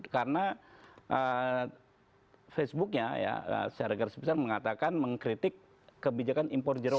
karena facebooknya ya secara garis besar mengatakan mengkritik kebijakan impor jeruan